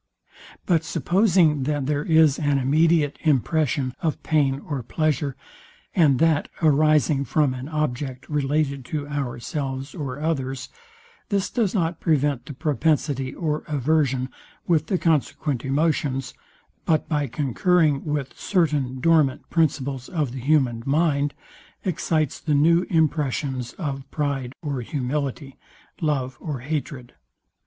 But supposing that there is an immediate impression of pain or pleasure, and that arising from an object related to ourselves or others, this does not prevent the propensity or aversion, with the consequent emotions, but by concurring with certain dormant principles of the human mind, excites the new impressions of pride or humility, love or hatred.